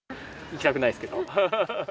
行きたくないですけど。